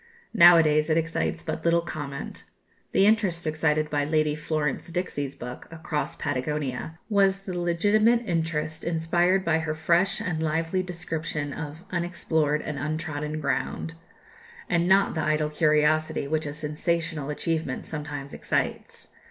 Now a days it excites but little comment The interest excited by Lady Florence Dixie's book, "Across Patagonia," was the legitimate interest inspired by her fresh and lively description of "unexplored and untrodden ground," and not the idle curiosity which a sensational achievement sometimes excites.